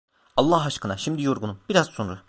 Allah aşkına, şimdi yorgunum, biraz sonra!